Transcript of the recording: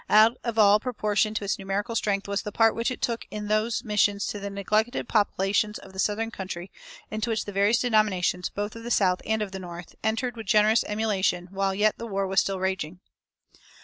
Out of all proportion to its numerical strength was the part which it took in those missions to the neglected populations of the southern country into which the various denominations, both of the South and of the North, entered with generous emulation while yet the war was still waging.